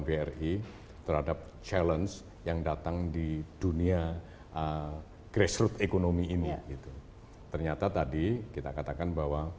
bri terhadap challenge yang datang di dunia grassroot ekonomi ini ternyata tadi kita katakan bahwa